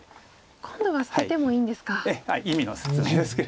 今度は捨ててもいいんですか。